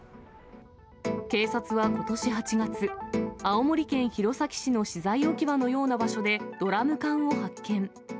警察はことし８月、青森県弘前市の資材置き場のような場所で、ドラム缶を発見。